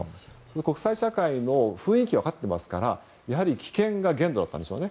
国際社会も雰囲気は分かってますからやはり棄権が限度だったんでしょうね。